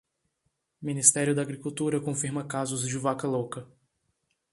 Ministério da Agricultura confirma casos de vaca louca